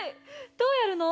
どうやるの？